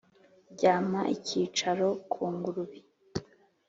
Ryampa icyicaro ku ngurube,